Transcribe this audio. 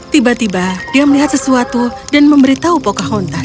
tiba tiba dia melihat sesuatu dan memberitahu pocahonta